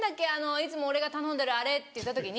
いつも俺が頼んでるあれ」って言った時に。